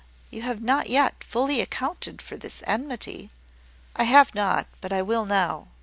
You have not yet fully accounted for this enmity." "I have not, but I will now.